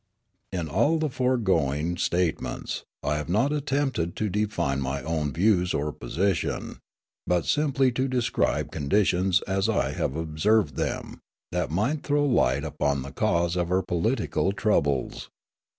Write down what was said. In all the foregoing statements I have not attempted to define my own views or position, but simply to describe conditions as I have observed them, that might throw light upon the cause of our political troubles.